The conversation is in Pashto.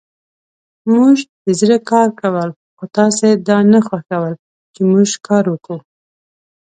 موژدزړه کارکول خوتاسی دانه خوښول چی موژکاروکوو